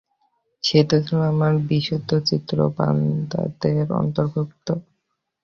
সে তো ছিল আমার বিশুদ্ধচিত্ত বান্দাদের অন্তর্ভুক্ত।